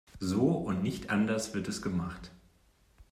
So und nicht anders wird es gemacht.